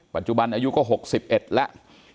ปัจจุบันอายุก็หกสิบเอ็ดแล้ว